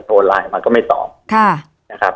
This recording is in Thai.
โทรไลน์มาก็ไม่ตอบ